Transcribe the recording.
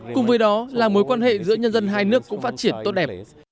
cùng với đó là mối quan hệ giữa nhân dân hai nước cũng phát triển tốt đẹp